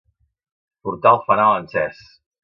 Portar el fanal encès.